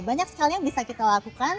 banyak sekali yang bisa kita lakukan